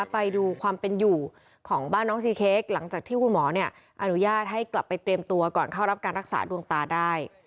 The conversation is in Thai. ไปดูความเป็นอยู่ของบ้านน้องซีเค้กหลังจากที่คุณหมออนุญาตให้กลับไปเตรียมตัวก่อนเข้ารับการรักษาดวงตาได้